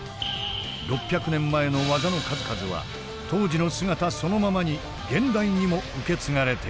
６００年前の技の数々は当時の姿そのままに現代にも受け継がれている。